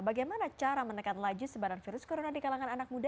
bagaimana cara menekan laju sebaran virus corona di kalangan anak muda